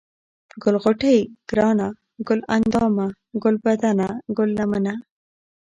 ګل غوټۍ ، گرانه ، گل اندامه ، گلبدنه ، گل لمنه ،